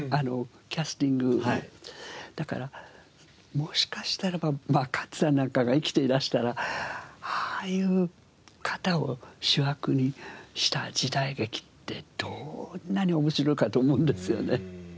だからもしかしたらば勝さんなんかが生きていらしたらああいう方を主役にした時代劇ってどんなに面白いかと思うんですよね。